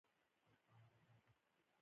دا په لوستلو کې سړي ته تکلیف نه شي پېښولای.